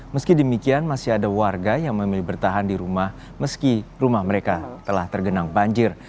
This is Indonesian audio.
meski demikian masih ada warga yang memilih bertahan di rumah meski rumah mereka telah tergenang banjir